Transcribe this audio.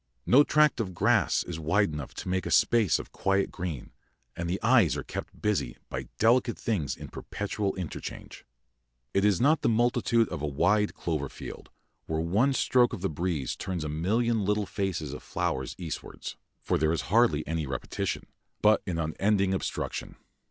No tract of grass is wide enough to make a space of quiet green, and the eyes are kept busy by delicate things in perpetual interchange. It is not the multitude of a wide clover field, where one stroke of the breeze turns a million little faces of flowers eastwards, for there is hardly any repetition, but an unending obstruction.